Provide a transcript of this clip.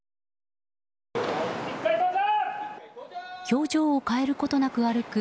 表情を変えることなく歩く